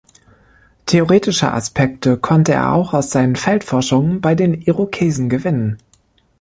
Theoretische Aspekte konnte er auch aus seinen Feldforschungen bei den Irokesen gewinnen.